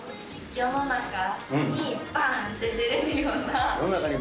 世の中にばーんと出れるような。